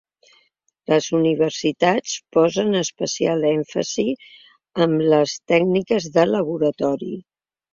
Les universitats posen especial èmfasi en les tècniques de laboratori.